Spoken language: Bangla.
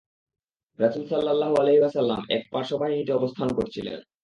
রাসূল সাল্লাল্লাহু আলাইহি ওয়াসাল্লাম এক পার্শ্ববাহিনীতে অবস্থান করছিলেন।